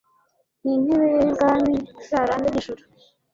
n’intebe ye y’ubwami izarambe nk’ijuru